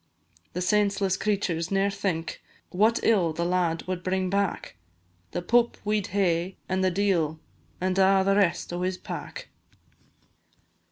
The senseless creturs ne'er think What ill the lad wad bring back; The Pope we 'd hae, and the d l, And a' the rest o' his pack.